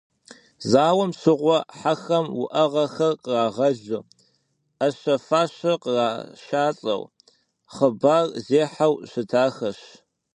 Зауэм щыгъуэ хьэхэм уӏэгъэхэр кърагъэлу, ӏэщэ-фащэ кърашалӏэу, хъыбар зехьэу щытахэщ.